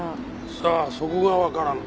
さあそこがわからん。